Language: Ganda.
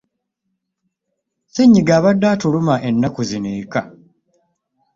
Ssennyiga abadde atuluma ennaku zino eka.